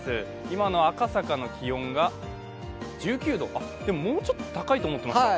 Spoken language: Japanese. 今の赤坂の気温が１９度、でも、もうちょっと高いと思ってました。